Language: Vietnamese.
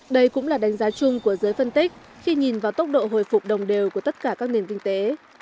đây cũng là đánh giá chung của giới phân tích khi nhìn vào tốc độ hồi phục đồng đều của tất cả các nền kinh tế